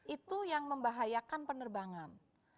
itu yang membahayakan penerbangan